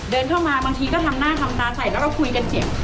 เดินเข้ามาบางทีก็ทำหน้าทำตาใส่แล้วเราคุยกันเจ็บ